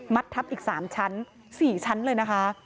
ทับอีก๓ชั้น๔ชั้นเลยนะคะ